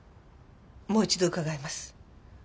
もう一度伺います。